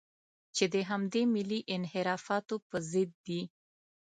چې د همدې ملي انحرافاتو په ضد دي.